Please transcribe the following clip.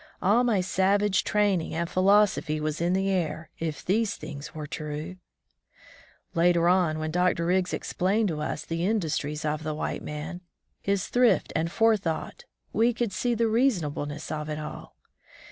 All my savage training and philosophy was in the air, if these things were true. Later on, when Dr. Riggs explained to us the industries of the white man, his thrift and forethought, we could see the reasonableness of it all.